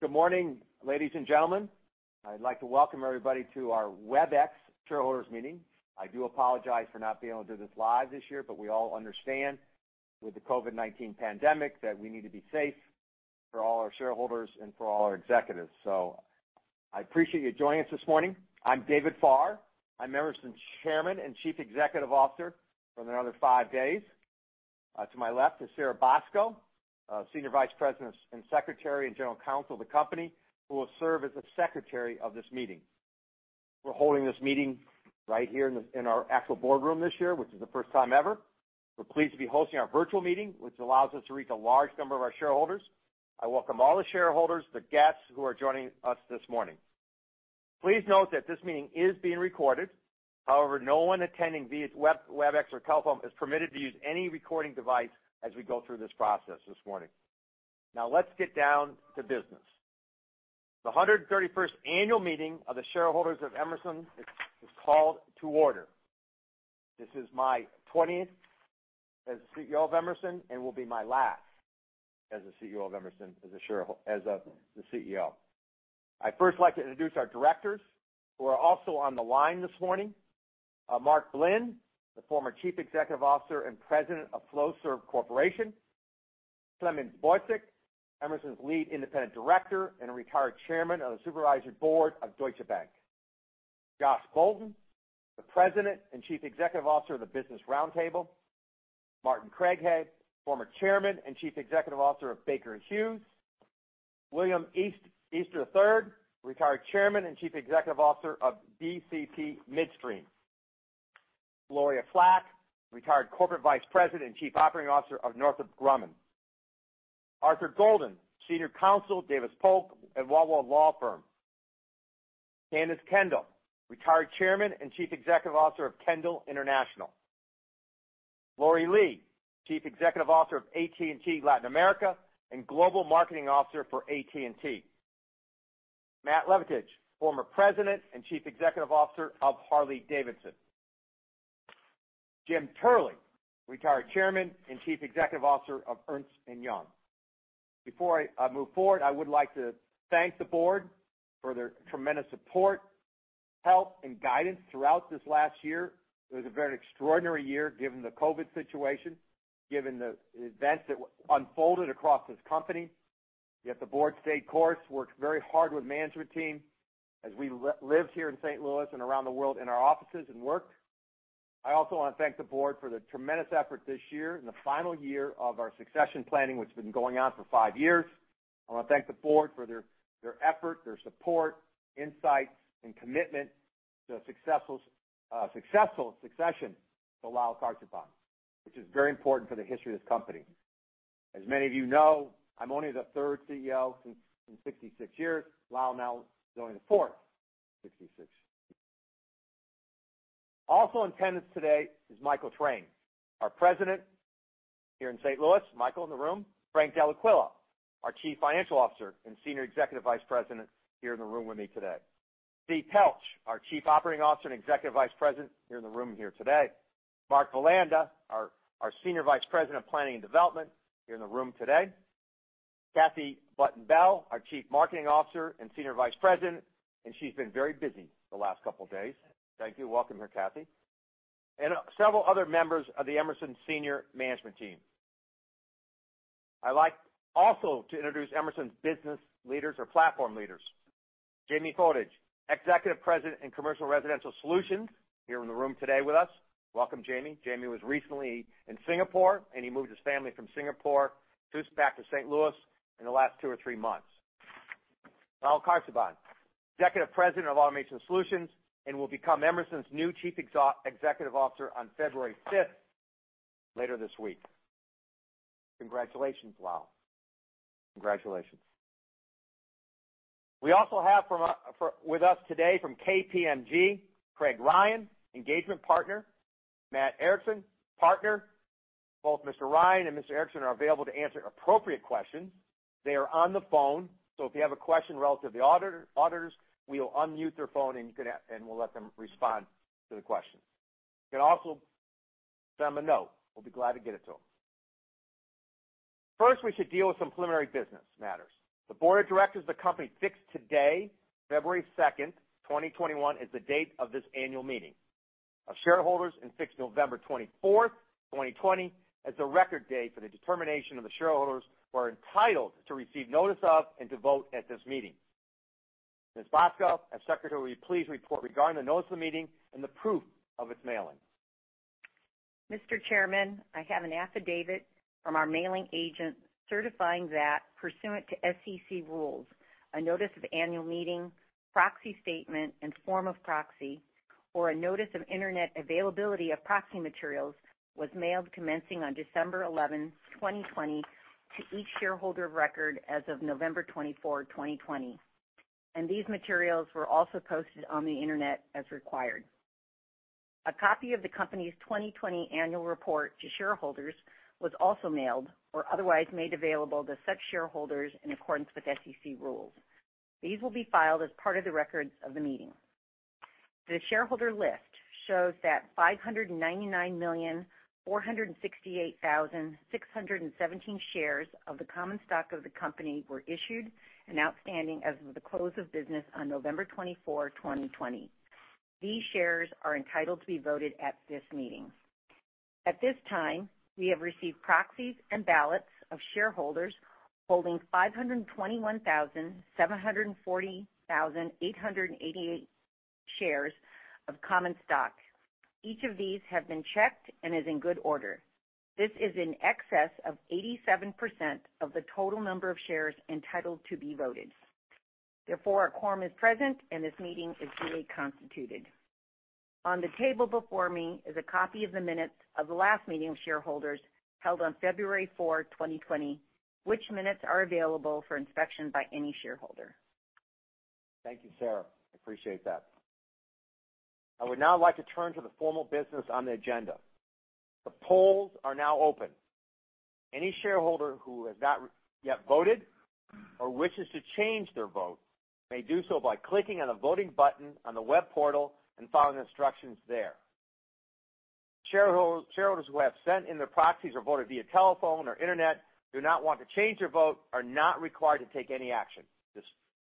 Good morning, ladies and gentlemen. I'd like to welcome everybody to our Webex shareholders meeting. I do apologize for not being able to do this live this year, but we all understand with the COVID-19 pandemic that we need to be safe for all our shareholders and for all our executives. I appreciate you joining us this morning. I'm David Farr. I'm Emerson's Chairman and Chief Executive Officer for another five days. To my left is Sara Bosco, Senior Vice President and Secretary and General Counsel of the company, who will serve as the secretary of this meeting. We're holding this meeting right here in our actual boardroom this year, which is the first time ever. We're pleased to be hosting our virtual meeting, which allows us to reach a large number of our shareholders. I welcome all the shareholders, the guests who are joining us this morning. Please note that this meeting is being recorded. No one attending via Webex or telephone is permitted to use any recording device as we go through this process this morning. Let's get down to business. The 131st annual meeting of the shareholders of Emerson is called to order. This is my 20th as the CEO of Emerson and will be my last as the CEO of Emerson. I'd first like to introduce our directors who are also on the line this morning. Mark Blinn, the former Chief Executive Officer and President of Flowserve Corporation. Clemens Börsig, Emerson's Lead Independent Director and retired Chairman of the Supervisory Board of Deutsche Bank. Josh Bolten, the President and Chief Executive Officer of the Business Roundtable. Martin Craighead, former Chairman and Chief Executive Officer of Baker Hughes. William Easter III, retired Chairman and Chief Executive Officer of DCP Midstream. Gloria Flach, retired Corporate Vice President and Chief Operating Officer of Northrop Grumman. Arthur Golden, Senior Counsel at Davis Polk & Wardwell law firm. Candace Kendle, retired Chairman and Chief Executive Officer of Kendle International. Lori Lee, Chief Executive Officer of AT&T Latin America and Global Marketing Officer for AT&T. Matt Levatich, former President and Chief Executive Officer of Harley-Davidson. Jim Turley, retired Chairman and Chief Executive Officer of Ernst & Young. Before I move forward, I would like to thank the board for their tremendous support, help, and guidance throughout this last year. It was a very extraordinary year given the COVID situation, given the events that unfolded across this company. Yet the board stayed course, worked very hard with management team as we lived here in St. Louis and around the world in our offices and worked. I also want to thank the board for the tremendous effort this year in the final year of our succession planning, which has been going on for 5 years. I want to thank the board for their effort, their support, insights, and commitment to a successful succession to Lal Karsanbhai, which is very important for the history of this company. As many of you know, I'm only the 3rd CEO in 66 years. Lal now is going to be the 4th in 66 years. Also in attendance today is Michael Train, our President here in St. Louis. Michael in the room. Frank Dellaquila, our Chief Financial Officer and Senior Executive Vice President here in the room with me today. Steve Pelch, our Chief Operating Officer and Executive Vice President here in the room here today. Mark Bulanda, our Senior Vice President of Planning and Development here in the room today. Kathy Button Bell, our Chief Marketing Officer and Senior Vice President, and she's been very busy the last couple of days. Thank you. Welcome here, Kathy. Several other members of the Emerson senior management team. I'd like also to introduce Emerson's business leaders or platform leaders. Jamie Froedge, Executive President in Commercial & Residential Solutions, here in the room today with us. Welcome, Jamie. Jamie was recently in Singapore, and he moved his family from Singapore back to St. Louis in the last two or three months. Lal Karsanbhai, Executive President of Automation Solutions and will become Emerson's new Chief Executive Officer on February fifth, later this week. Congratulations, Lal. Congratulations. We also have with us today from KPMG, Craig Ryan, Engagement Partner, Matt Erickson, Partner. Both Mr. Ryan and Mr. Erickson are available to answer appropriate questions. They are on the phone, so if you have a question relative to the auditors, we will unmute their phone, and we'll let them respond to the questions. You can also send them a note. We'll be glad to get it to them. First, we should deal with some preliminary business matters. The Board of Directors of the company fixed today, February second, 2021, as the date of this annual meeting of shareholders and fixed November 24th, 2020, as the record date for the determination of the shareholders who are entitled to receive notice of and to vote at this meeting. Ms. Bosco, as Secretary, will you please report regarding the notice of the meeting and the proof of its mailing? Mr. Chairman, I have an affidavit from our mailing agent certifying that pursuant to SEC rules, a notice of annual meeting, proxy statement, and form of proxy or a notice of internet availability of proxy materials was mailed commencing on December 11th, 2020, to each shareholder of record as of November 24, 2020, and these materials were also posted on the internet as required. A copy of the company's 2020 annual report to shareholders was also mailed or otherwise made available to such shareholders in accordance with SEC rules. These will be filed as part of the records of the meeting. The shareholder list shows that 599,468,617 shares of the common stock of the company were issued and outstanding as of the close of business on November 24, 2020. These shares are entitled to be voted at this meeting. At this time, we have received proxies and ballots of shareholders holding 521,740,888 shares of common stock. Each of these have been checked and is in good order. This is in excess of 87% of the total number of shares entitled to be voted. Therefore, a quorum is present and this meeting is duly constituted. On the table before me is a copy of the minutes of the last meeting of shareholders held on February 4, 2020, which minutes are available for inspection by any shareholder. Thank you, Sara. I appreciate that. I would now like to turn to the formal business on the agenda. The polls are now open. Any shareholder who has not yet voted or wishes to change their vote may do so by clicking on the voting button on the web portal and following the instructions there. Shareholders who have sent in their proxies or voted via telephone or internet, do not want to change their vote, are not required to take any action. Just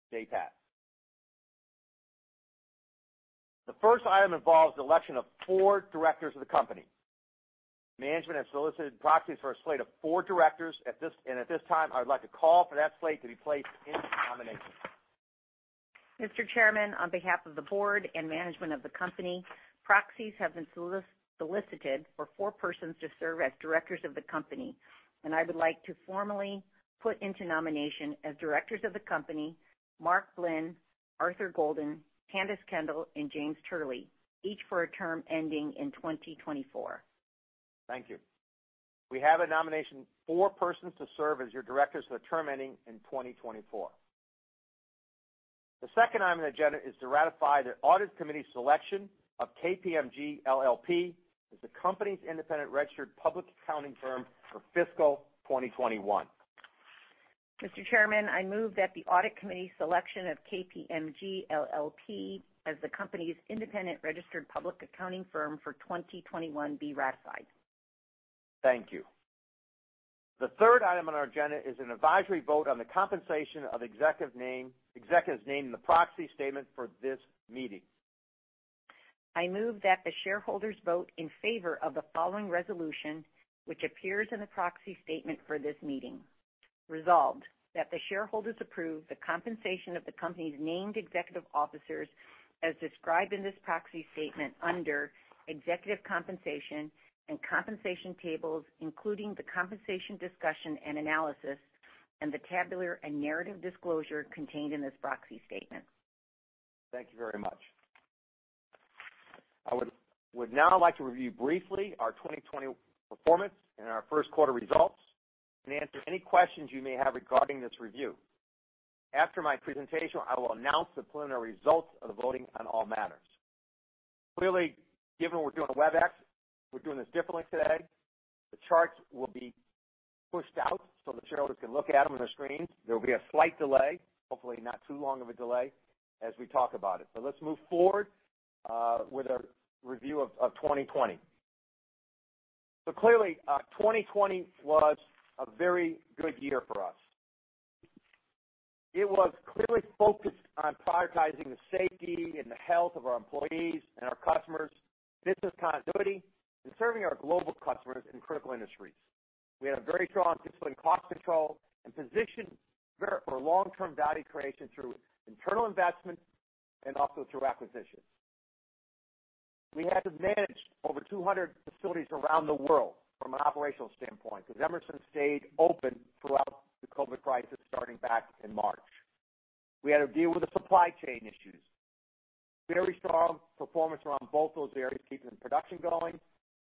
stay pat. The first item involves the election of four directors of the company. Management has solicited proxies for a slate of four directors, and at this time, I would like to call for that slate to be placed into nomination. Mr. Chairman, on behalf of the board and management of the company, proxies have been solicited for four persons to serve as directors of the company, and I would like to formally put into nomination as directors of the company, Mark Blinn, Arthur Golden, Candace Kendle, and James Turley, each for a term ending in 2024. Thank you. We have a nomination, four persons to serve as your directors with a term ending in 2024. The second item on the agenda is to ratify the Audit Committee selection of KPMG LLP as the company's independent registered public accounting firm for fiscal 2021. Mr. Chairman, I move that the audit committee selection of KPMG LLP as the company's independent registered public accounting firm for 2021 be ratified. Thank you. The third item on our agenda is an advisory vote on the compensation of executives named in the proxy statement for this meeting. I move that the shareholders vote in favor of the following resolution, which appears in the proxy statement for this meeting. Resolved, that the shareholders approve the compensation of the company's named executive officers as described in this proxy statement under executive compensation and compensation tables, including the compensation discussion and analysis, and the tabular and narrative disclosure contained in this proxy statement. Thank you very much. I would now like to review briefly our 2020 performance and our first quarter results, and answer any questions you may have regarding this review. After my presentation, I will announce the preliminary results of the voting on all matters. Clearly, given we're doing a Webex, we're doing this differently today. The charts will be pushed out so that shareholders can look at them on their screens. There will be a slight delay, hopefully not too long of a delay, as we talk about it. Let's move forward with our review of 2020. Clearly, 2020 was a very good year for us. It was clearly focused on prioritizing the safety and the health of our employees and our customers, business continuity, and serving our global customers in critical industries. We had a very strong disciplined cost control and positioned for long-term value creation through internal investment and also through acquisitions. We had to manage over 200 facilities around the world from an operational standpoint, because Emerson stayed open throughout the COVID-19 crisis starting back in March. We had to deal with the supply chain issues. Very strong performance around both those areas, keeping the production going,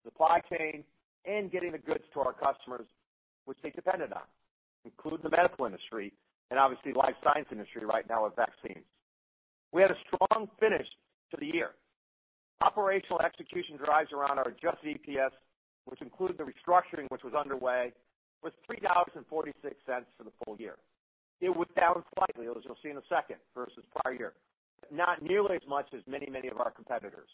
supply chain, and getting the goods to our customers, which they depended on, including the medical industry, and obviously the life science industry right now with vaccines. We had a strong finish to the year. Operational execution drives around our adjusted EPS, which included the restructuring, which was underway, was $3.46 for the full year. It was down slightly, as you'll see in a second, versus prior year. Not nearly as much as many of our competitors.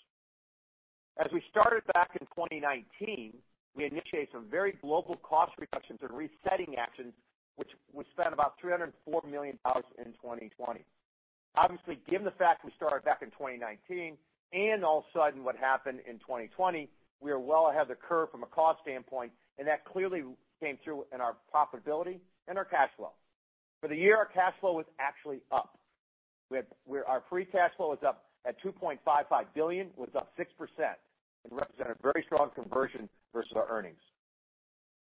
As we started back in 2019, we initiated some very global cost reductions and resetting actions, which we spent about $304 million in 2020. Obviously, given the fact we started back in 2019 and all of a sudden what happened in 2020, we are well ahead of the curve from a cost standpoint, and that clearly came through in our profitability and our cash flow. For the year, our cash flow was actually up. Our free cash flow was up at $2.55 billion, was up 6%, and represented very strong conversion versus our earnings.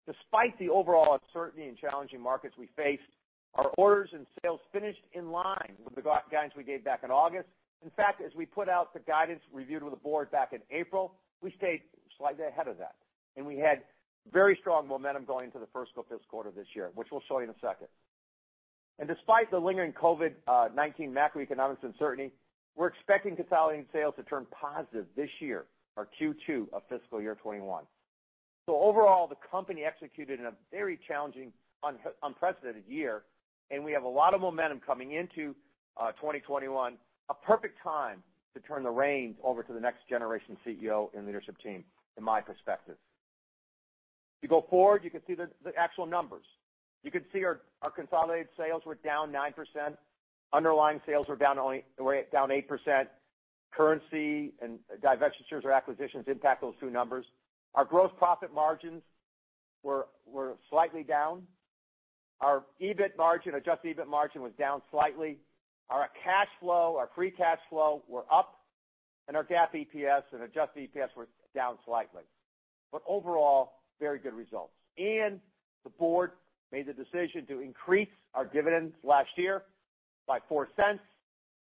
Despite the overall uncertainty in challenging markets we faced, our orders and sales finished in line with the guidance we gave back in August. In fact, as we put out the guidance reviewed with the board back in April, we stayed slightly ahead of that. We had very strong momentum going into the first fiscal quarter this year, which we'll show you in a second. Despite the lingering COVID-19 macroeconomic uncertainty, we're expecting consolidating sales to turn positive this year or Q2 of fiscal year 2021. Overall, the company executed in a very challenging, unprecedented year, and we have a lot of momentum coming into 2021. A perfect time to turn the reins over to the next generation CEO and leadership team, in my perspective. If you go forward, you can see the actual numbers. You can see our consolidated sales were down 9%, underlying sales were down 8%, currency and divestitures or acquisitions impact those two numbers. Our gross profit margins were slightly down. Our EBIT margin, Adjusted EBIT margin was down slightly. Our cash flow, our free cash flow were up, and our GAAP EPS and adjusted EPS were down slightly. Overall, very good results. The board made the decision to increase our dividends last year by $0.04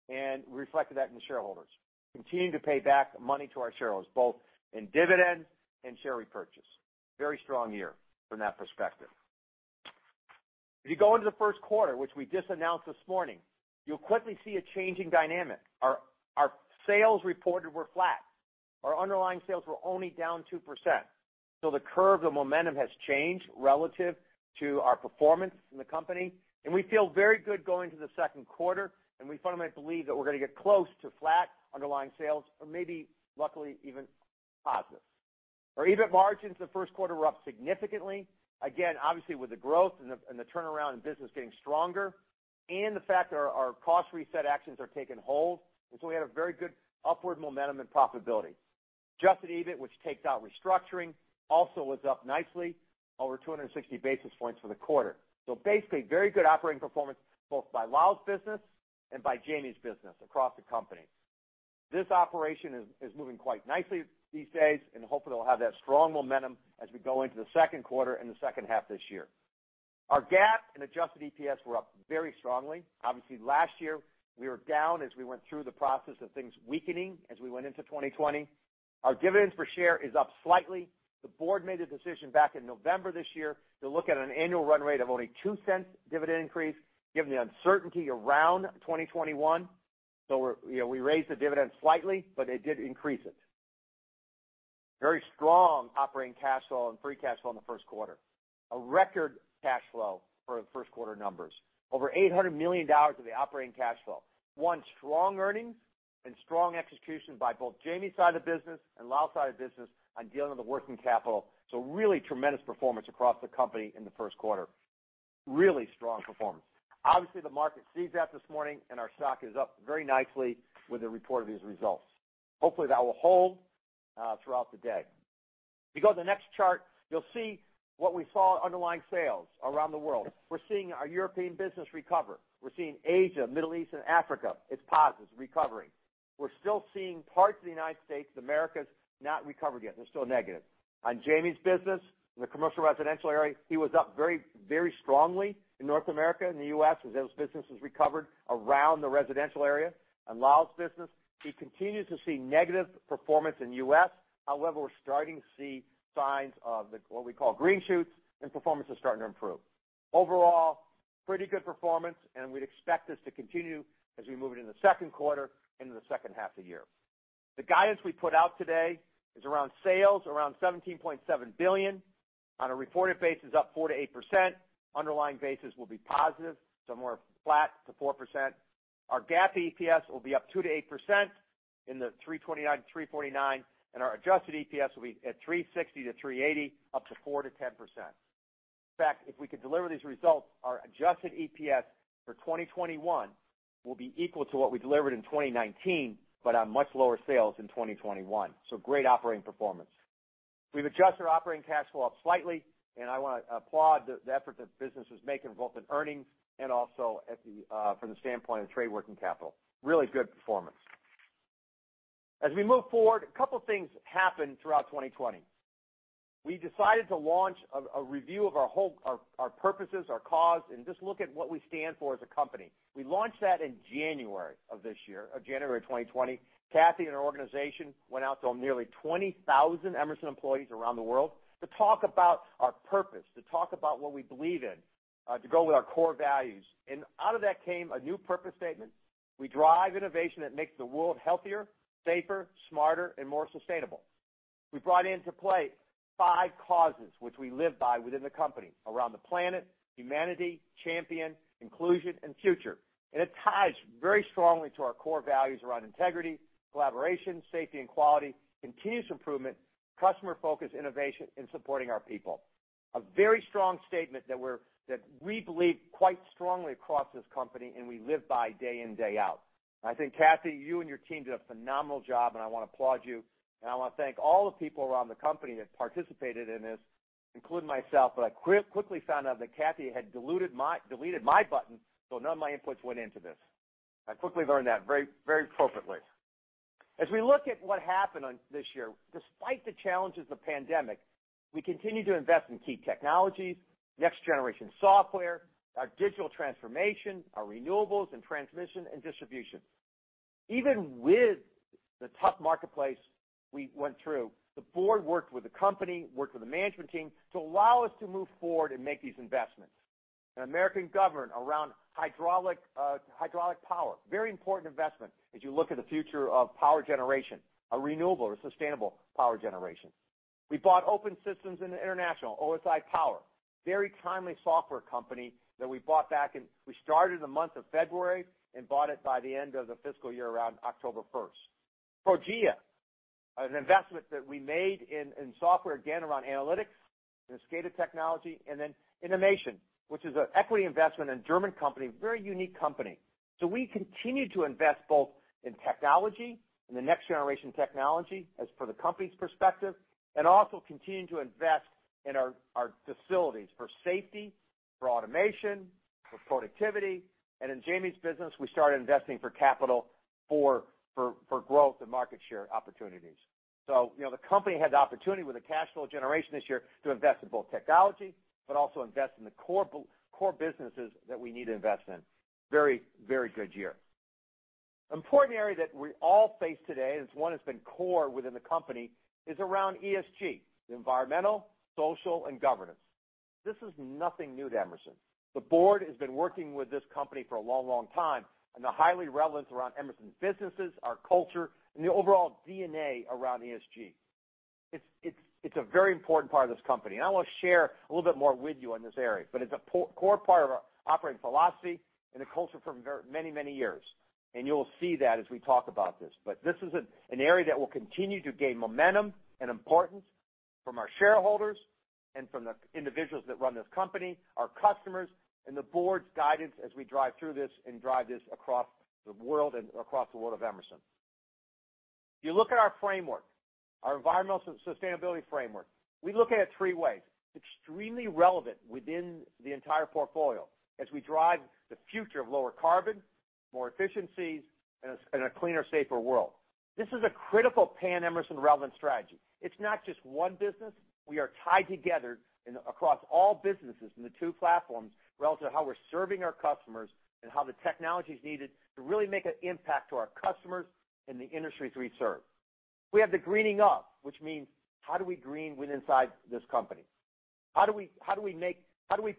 and reflected that in the shareholders. Continuing to pay back money to our shareholders, both in dividends and share repurchase. Very strong year from that perspective. If you go into the first quarter, which we just announced this morning, you'll quickly see a change in dynamic. Our sales reported were flat. Our underlying sales were only down 2%. The curve, the momentum has changed relative to our performance in the company, and we feel very good going to the second quarter, and we fundamentally believe that we're going to get close to flat underlying sales or maybe luckily even positive. Our EBIT margins in the first quarter were up significantly. Again, obviously with the growth and the turnaround in business getting stronger and the fact that our cost reset actions are taking hold. We had a very good upward momentum in profitability. Adjusted EBIT, which takes out restructuring, also was up nicely, over 260 basis points for the quarter. Basically very good operating performance both by Lal's business and by Jamie's business across the company. This operation is moving quite nicely these days and hopefully it'll have that strong momentum as we go into the second quarter and the second half this year. Our GAAP and adjusted EPS were up very strongly. Obviously last year we were down as we went through the process of things weakening as we went into 2020. Our dividends per share is up slightly. The board made a decision back in November this year to look at an annual run rate of only $0.02 dividend increase, given the uncertainty around 2021. We raised the dividend slightly, but they did increase it. Very strong operating cash flow and free cash flow in the first quarter. A record cash flow for the first quarter numbers. Over $800 million of the operating cash flow. One, strong earnings and strong execution by both Jamie's side of the business and Lal's side of the business on dealing with the working capital. Really tremendous performance across the company in the first quarter. Really strong performance. Obviously, the market sees that this morning and our stock is up very nicely with the report of these results. Hopefully that will hold throughout the day. If you go to the next chart, you'll see what we saw underlying sales around the world. We're seeing our European business recover. We're seeing Asia, Middle East, and Africa, it's positive, it's recovering. We're still seeing parts of the U.S., the Americas, not recovered yet. They're still negative. On Jamie's business, in the Commercial & Residential Solutions area, he was up very strongly in North America, in the U.S., as his business has recovered around the residential area. On Lal's business, we continue to see negative performance in U.S. We're starting to see signs of what we call green shoots and performance is starting to improve. Pretty good performance, and we'd expect this to continue as we move into the second quarter into the second half of the year. The guidance we put out today is around sales, $17.7 billion. On a reported basis, up 4%-8%. Underlying basis will be positive, somewhere flat-4%. Our GAAP EPS will be up 2%-8% in the $3.29-$3.49. Our Adjusted EPS will be at $3.60-$3.80, up to 4%-10%. In fact, if we could deliver these results, our adjusted EPS for 2021 will be equal to what we delivered in 2019 on much lower sales in 2021. Great operating performance. We've adjusted our operating cash flow up slightly. I want to applaud the effort that business is making, both in earnings and also from the standpoint of trade working capital. Really good performance. As we move forward, a couple things happened throughout 2020. We decided to launch a review of our purposes, our cause, and just look at what we stand for as a company. We launched that in January of this year, January of 2020. Kathy and her organization went out to nearly 20,000 Emerson employees around the world to talk about our purpose, to talk about what we believe in, to go with our core values. Out of that came a new purpose statement. We drive innovation that makes the world healthier, safer, smarter, and more sustainable. We brought into play five causes which we live by within the company, around the planet, humanity, champion, inclusion, and future. It ties very strongly to our core values around integrity, collaboration, safety and quality, continuous improvement, customer focus, innovation, and supporting our people. A very strong statement that we believe quite strongly across this company and we live by day in, day out. Kathy, you and your team did a phenomenal job and I want to applaud you, and I want to thank all the people around the company that participated in this, including myself. I quickly found out that Kathy had deleted my button, so none of my inputs went into this. I quickly learned that very appropriately. We look at what happened on this year, despite the challenges of pandemic, we continue to invest in key technologies, next-generation software, our digital transformation, our renewables and transmission and distribution. Even with the tough marketplace we went through, the board worked with the company, worked with the management team to allow us to move forward and make these investments. American Governor around hydraulic power, a very important investment as you look at the future of power generation, a renewable or sustainable power generation. We bought Open Systems International, Inc., OSI power. Very timely software company that we started in the month of February and bought it by the end of the fiscal year around October 1st. Progea, an investment that we made in software, again around analytics and SCADA technology. inmation, which is an equity investment in a German company, a very unique company. We continue to invest both in technology and the next generation technology as for the company's perspective, and also continue to invest in our facilities for safety, for automation, for productivity. In Jamie's business, we started investing for capital for growth and market share opportunities. The company had the opportunity with the cash flow generation this year to invest in both technology, but also invest in the core businesses that we need to invest in. Very good year. Important area that we all face today, and it's one that's been core within the company, is around ESG, environmental, social, and governance. This is nothing new to Emerson. The board has been working with this company for a long time, and they're highly relevant around Emerson businesses, our culture, and the overall DNA around ESG. It's a very important part of this company, and I want to share a little bit more with you on this area. It's a core part of our operating philosophy and the culture for many years. You'll see that as we talk about this. This is an area that will continue to gain momentum and importance from our shareholders and from the individuals that run this company, our customers, and the board's guidance as we drive through this and drive this across the world of Emerson. If you look at our framework, our environmental sustainability framework, we look at it three ways. Extremely relevant within the entire portfolio as we drive the future of lower carbon, more efficiencies, and a cleaner, safer world. This is a critical Pan-Emerson relevant strategy. It's not just one business. We are tied together across all businesses in the two platforms relative to how we're serving our customers and how the technology is needed to really make an impact to our customers in the industries we serve. We have the greening up, which means how do we green inside this company? How do we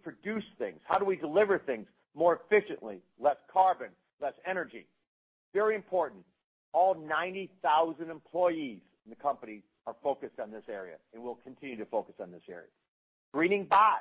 produce things? How do we deliver things more efficiently, less carbon, less energy? Very important. All 90,000 employees in the company are focused on this area, and will continue to focus on this area. Greening by,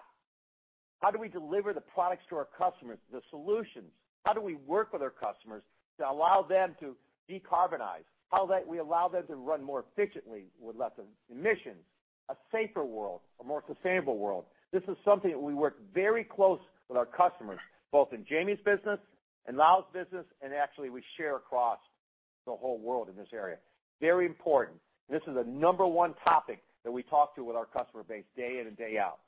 how do we deliver the products to our customers, the solutions? How do we work with our customers to allow them to decarbonize? How do we allow them to run more efficiently with less emissions, a safer world, a more sustainable world? This is something that we work very closely with our customers, both in Jamie's business, in Lal's business, and actually, we share across the whole world in this area. Very important. This is the number one topic that we talk to with our customer base day in and day out.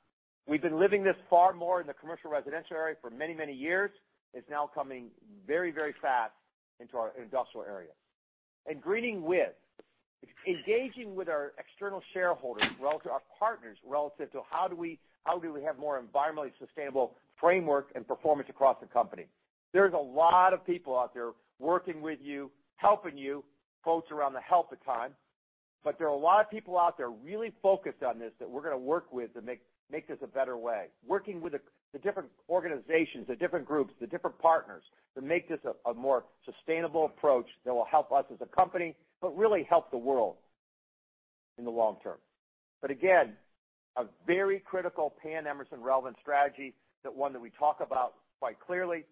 We've been living this far more in the Commercial & Residential Solutions area for many years. It's now coming very fast into our Automation Solutions area. Engaging with our external shareholders, our partners, relative to how do we have more environmentally sustainable framework and performance across the company. There's a lot of people out there working with you, helping you, folks, around the help of time. There are a lot of people out there really focused on this that we're going to work with to make this a better way. Working with the different organizations, the different groups, the different partners to make this a more sustainable approach that will help us as a company, but really help the world in the long term. Again, a very critical pan-Emerson relevant strategy, one that we talk about quite clearly.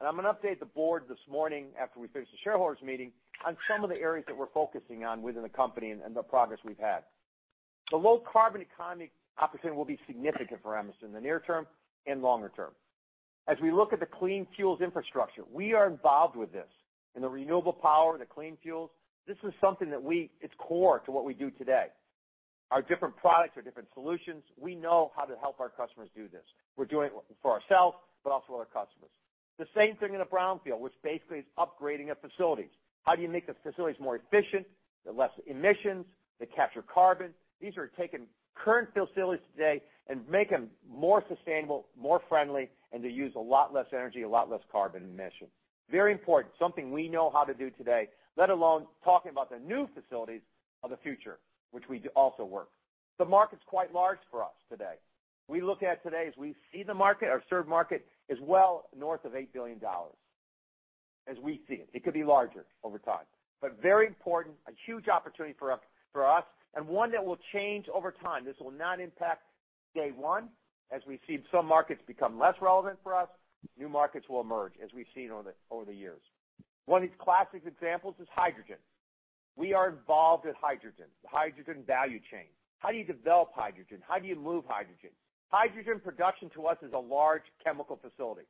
I'm going to update the board this morning after we finish the shareholders meeting on some of the areas that we're focusing on within the company and the progress we've had. The low carbon economy opportunity will be significant for Emerson in the near term and longer term. As we look at the clean fuels infrastructure, we are involved with this. In the renewable power, the clean fuels, this is something that it's core to what we do today. Our different products, our different solutions, we know how to help our customers do this. We're doing it for ourselves, but also our customers. The same thing in a brownfield, which basically is upgrading a facility. How do you make the facilities more efficient, with less emissions, that capture carbon? These are taking current facilities today and make them more sustainable, more friendly, and to use a lot less energy, a lot less carbon emission. Very important. Something we know how to do today, let alone talking about the new facilities of the future, which we also work. The market's quite large for us today. We look at today as we see the market, our served market, as well north of $8 billion, as we see it. It could be larger over time. Very important, a huge opportunity for us, and one that will change over time. This will not impact day one. As we see some markets become less relevant for us, new markets will emerge, as we've seen over the years. One of these classic examples is hydrogen. We are involved with hydrogen, the hydrogen value chain. How do you develop hydrogen? How do you move hydrogen? Hydrogen production to us is a large chemical facility,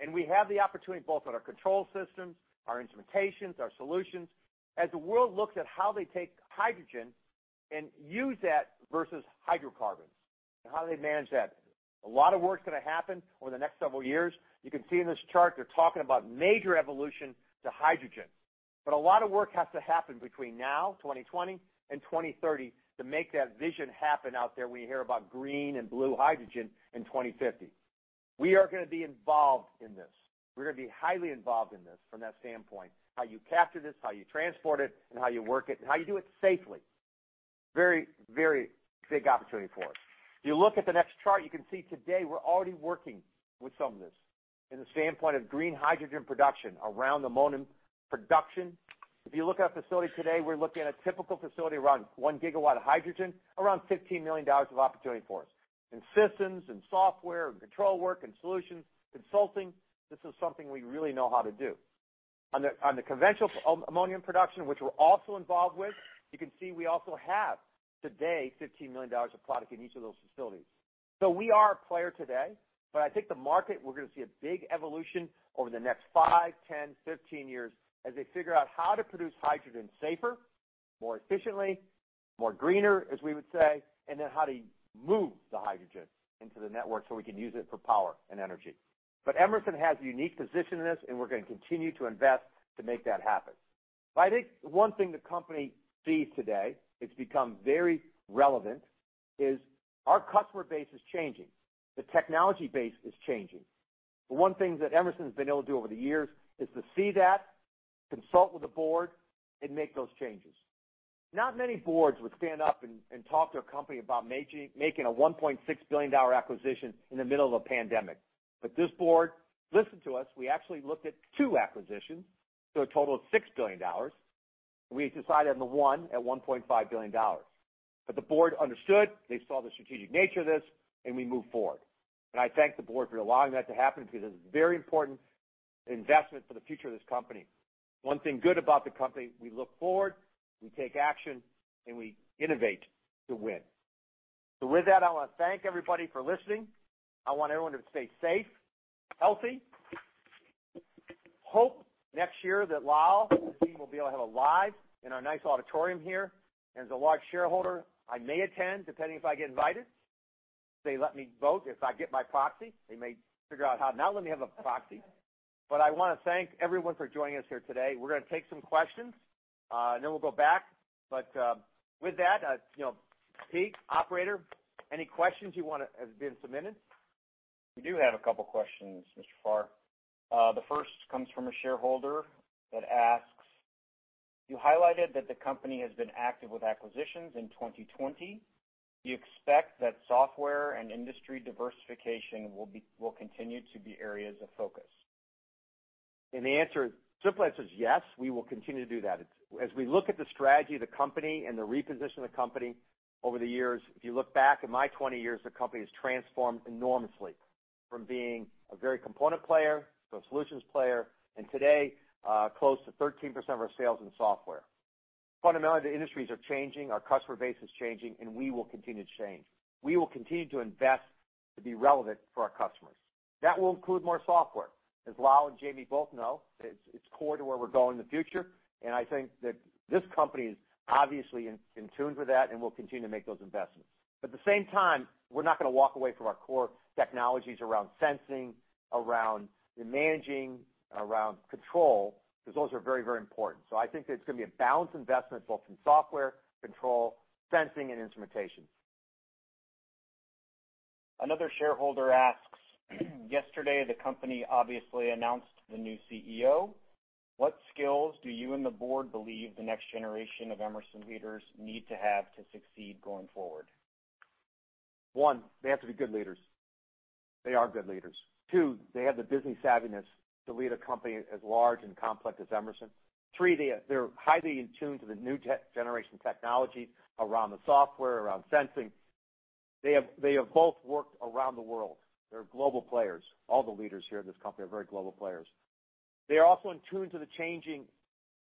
and we have the opportunity both on our control systems, our instrumentations, our solutions. As the world looks at how they take hydrogen and use that versus hydrocarbons, and how they manage that. A lot of work is going to happen over the next several years. You can see in this chart, they're talking about major evolution to hydrogen. A lot of work has to happen between now, 2020, and 2030 to make that vision happen out there when you hear about green and blue hydrogen in 2050. We are going to be involved in this. We're going to be highly involved in this from that standpoint. How you capture this, how you transport it, and how you work it, and how you do it safely. Very big opportunity for us. If you look at the next chart, you can see today we're already working with some of this in the standpoint of green hydrogen production around ammonia production. If you look at a facility today, we're looking at a typical facility around one gigawatt of hydrogen, around $15 million of opportunity for us. In systems, in software, in control work, in solutions, consulting, this is something we really know how to do. On the conventional ammonia production, which we're also involved with, you can see we also have today $15 million of product in each of those facilities. We are a player today, but I think the market, we're going to see a big evolution over the next five, 10, 15 years as they figure out how to produce hydrogen safer, more efficiently, more greener, as we would say, and then how to move the hydrogen into the network so we can use it for power and energy. Emerson has a unique position in this, and we're going to continue to invest to make that happen. I think one thing the company sees today, it's become very relevant, is our customer base is changing. The technology base is changing. The one thing that Emerson's been able to do over the years is to see that, consult with the board, and make those changes. Not many boards would stand up and talk to a company about making a $1.6 billion acquisition in the middle of a pandemic. This board listened to us. We actually looked at two acquisitions, a total of $6 billion. We decided on the one at $1.5 billion. The board understood, they saw the strategic nature of this, and we moved forward. I thank the board for allowing that to happen because it's a very important investment for the future of this company. One thing good about the company, we look forward, we take action, and we innovate to win. With that, I want to thank everybody for listening. I want everyone to stay safe, healthy. Hope next year that Lal and team will be able to have it live in our nice auditorium here. As a large shareholder, I may attend, depending if I get invited. If they let me vote, if I get my proxy. They may figure out how not let me have a proxy. I want to thank everyone for joining us here today. We're going to take some questions, and then we'll go back. With that, Pete, operator, any questions have been submitted? We do have a couple questions, Mr. Farr. The first comes from a shareholder that asks, "You highlighted that the company has been active with acquisitions in 2020. Do you expect that software and industry diversification will continue to be areas of focus? The simple answer is yes, we will continue to do that. As we look at the strategy of the company and the reposition of the company over the years, if you look back at my 20 years, the company has transformed enormously from being a very component player to a solutions player. Today close to 13% of our sales in software. Fundamentally, the industries are changing, our customer base is changing. We will continue to change. We will continue to invest to be relevant for our customers. That will include more software. As Lal and Jamie both know, it's core to where we're going in the future. I think that this company is obviously in tune with that and will continue to make those investments. At the same time, we're not going to walk away from our core technologies around sensing, around managing, around control, because those are very important. I think it's going to be a balanced investment both in software, control, sensing, and instrumentation. Another shareholder asks, "Yesterday, the company obviously announced the new CEO. What skills do you and the board believe the next generation of Emerson leaders need to have to succeed going forward? One, they have to be good leaders. They are good leaders. Two, they have the business savviness to lead a company as large and complex as Emerson. Three, they're highly in tune to the new generation technology around the software, around sensing. They have both worked around the world. They're global players. All the leaders here at this company are very global players. They are also in tune to the changing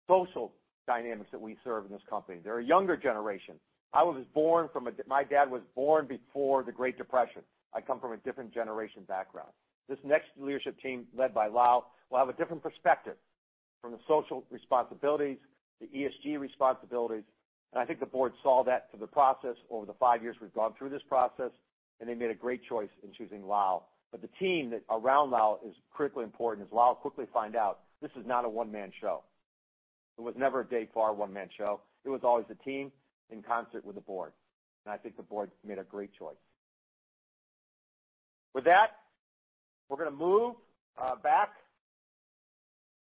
social dynamics that we serve in this company. They're a younger generation. My dad was born before the Great Depression. I come from a different generation background. This next leadership team, led by Lal, will have a different perspective from the social responsibilities to ESG responsibilities. I think the board saw that through the process over the five years we've gone through this process, and they made a great choice in choosing Lal. The team around Lal is critically important. As Lal quickly find out, this is not a one-man show. It was never a Dave Farr one-man show. It was always a team in concert with the board, and I think the board made a great choice. With that, we're going to move back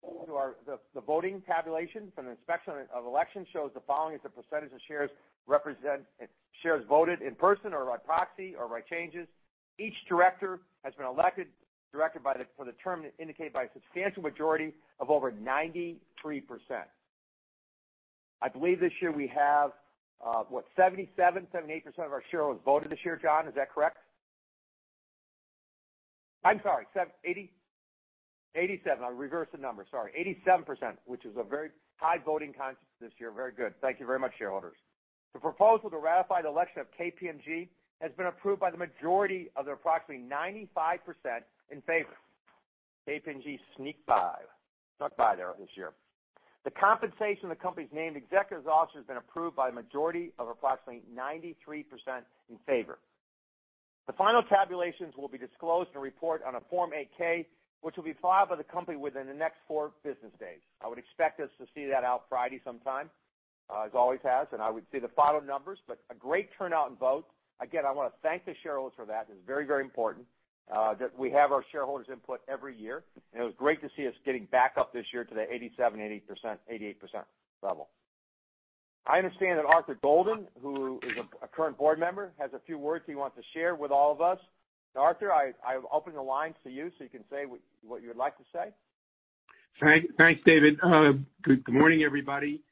to the voting tabulation from the inspection of election shows the following is the percentage of shares voted in person or by proxy or by changes. Each director has been elected director for the term indicated by a substantial majority of over 93%. I believe this year we have, what, 77%-78% of our shareholders voted this year, John, is that correct? I'm sorry, 87%. I reversed the number, sorry. 87%, which is a very high voting consensus this year. Very good. Thank you very much, shareholders. The proposal to ratify the election of KPMG has been approved by the majority of approximately 95% in favor. KPMG sneaked by. Snuck by there this year. The compensation of the company's named executives officer has been approved by a majority of approximately 93% in favor. The final tabulations will be disclosed in a report on a Form 8-K, which will be filed by the company within the next four business days. I would expect us to see that out Friday sometime, as always has, and I would see the final numbers, but a great turnout in vote. Again, I want to thank the shareholders for that. It's very important that we have our shareholders' input every year. It was great to see us getting back up this year to the 87%-88% level. I understand that Arthur Golden, who is a current board member, has a few words he wants to share with all of us. Arthur, I open the line to you so you can say what you would like to say. Thanks, David. Good morning, everybody.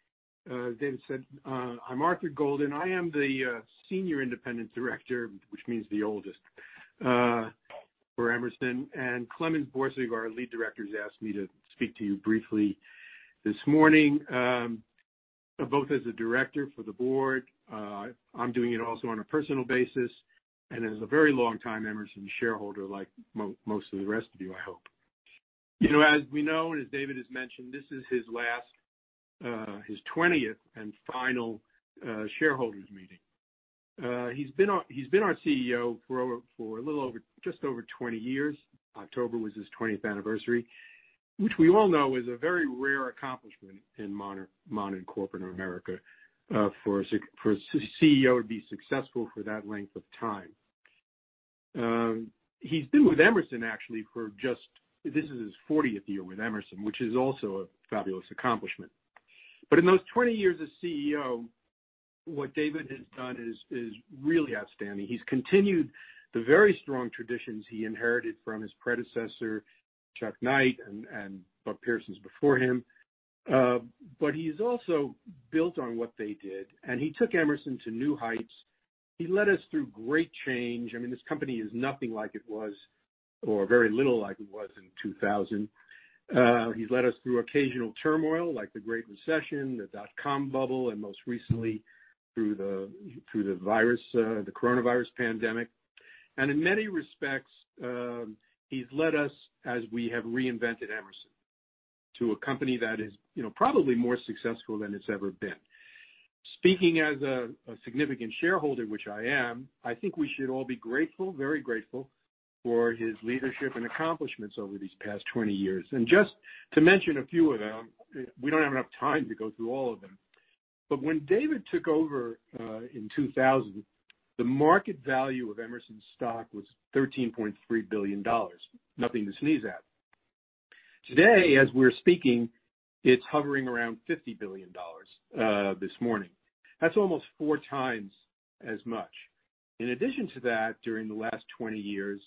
As David said, I'm Arthur Golden. I am the senior independent director, which means the oldest, for Emerson, and Clemens Börsig, our Lead Director, has asked me to speak to you briefly this morning, both as a director for the board. I'm doing it also on a personal basis and as a very long time Emerson shareholder, like most of the rest of you, I hope. As we know, and as David has mentioned, this is his 20th and final shareholders meeting. He's been our CEO for just over 20 years. October was his 20th anniversary, which we all know is a very rare accomplishment in modern corporate America for a CEO to be successful for that length of time. He's been with Emerson actually. This is his 40th year with Emerson, which is also a fabulous accomplishment. In those 20 years as CEO, what David has done is really outstanding. He's continued the very strong traditions he inherited from his predecessor, Chuck Knight, and Buck Persons before him. He's also built on what they did, and he took Emerson to new heights. He led us through great change. I mean, this company is nothing like it was, or very little like it was in 2000. He's led us through occasional turmoil, like the Great Recession, the dot-com bubble, and most recently through the coronavirus pandemic. In many respects, he's led us as we have reinvented Emerson to a company that is probably more successful than it's ever been. Speaking as a significant shareholder, which I am, I think we should all be very grateful for his leadership and accomplishments over these past 20 years. Just to mention a few of them, we don't have enough time to go through all of them, but when David took over in 2000, the market value of Emerson's stock was $13.3 billion. Nothing to sneeze at. Today, as we're speaking, it is hovering around $50 billion this morning. That is almost four times as much. In addition to that, during the last 20 years,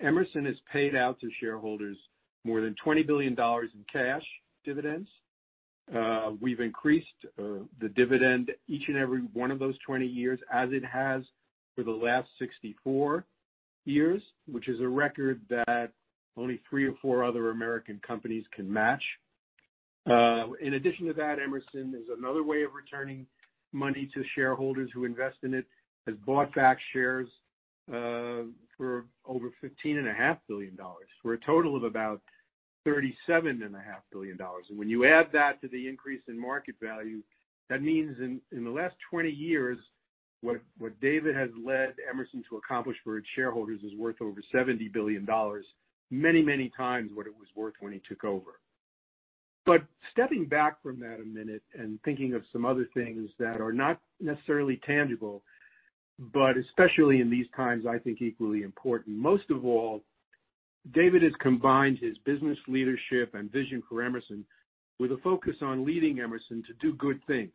Emerson has paid out to shareholders more than $20 billion in cash dividends. We have increased the dividend each and every one of those 20 years, as it has for the last 64 years, which is a record that only three or four other American companies can match. In addition to that, Emerson, as another way of returning money to shareholders who invest in it, has bought back shares for over $15.5 billion, for a total of about $37.5 billion. When you add that to the increase in market value, that means in the last 20 years, what David has led Emerson to accomplish for its shareholders is worth over $70 billion, many times what it was worth when he took over. Stepping back from that a minute and thinking of some other things that are not necessarily tangible, but especially in these times, I think equally important. Most of all, David has combined his business leadership and vision for Emerson with a focus on leading Emerson to do good things.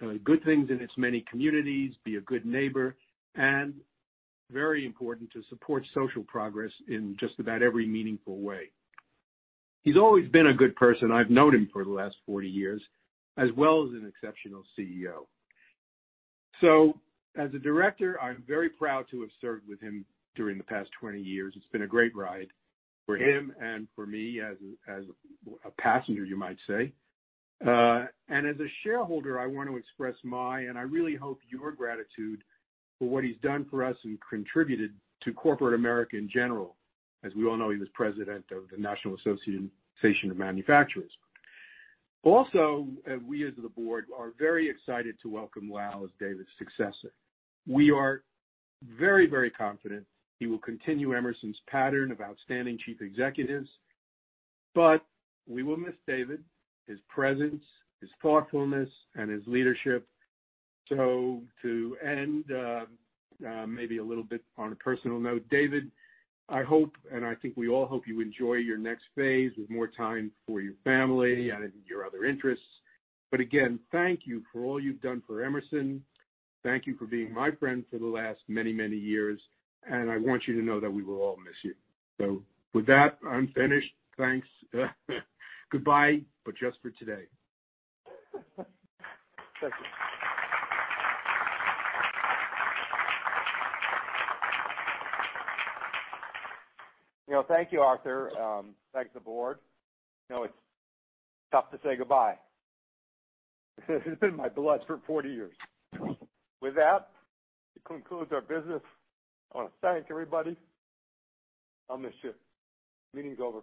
Good things in its many communities, be a good neighbor, and very important to support social progress in just about every meaningful way. He's always been a good person, I've known him for the last 40 years, as well as an exceptional CEO. As a director, I'm very proud to have served with him during the past 20 years. It's been a great ride for him and for me as a passenger, you might say. As a shareholder, I want to express my, and I really hope your gratitude for what he's done for us and contributed to Corporate America in general. As we all know, he was president of the National Association of Manufacturers. We as the board are very excited to welcome Lal as David's successor. We are very confident he will continue Emerson's pattern of outstanding chief executives, but we will miss David, his presence, his thoughtfulness, and his leadership. To end, maybe a little bit on a personal note, David, I hope, and I think we all hope you enjoy your next phase with more time for your family and your other interests. Again, thank you for all you've done for Emerson. Thank you for being my friend for the last many years, and I want you to know that we will all miss you. With that, I'm finished. Thanks. Goodbye, but just for today. Thank you. Thank you, Arthur. Thanks to the Board. It's tough to say goodbye. This has been my blood for 40 years. With that, this concludes our business. I want to thank everybody. I'll miss you. Meeting's over.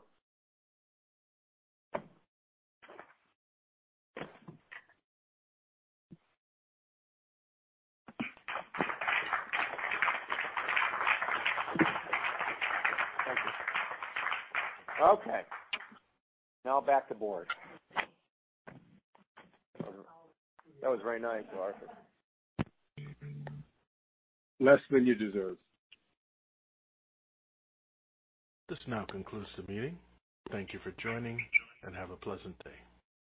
Thank you. Okay, now back to Board. That was very nice, Arthur. Less than you deserve. This now concludes the meeting. Thank you for joining, and have a pleasant day.